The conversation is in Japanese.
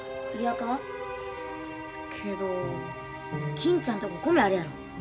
金ちゃんとこ米あるやろ。